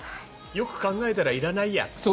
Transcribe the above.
よく考えたらいらないやと。